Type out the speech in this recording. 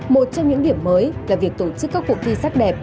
một trong những điểm mới là việc tổ chức các cuộc thi sắc đẹp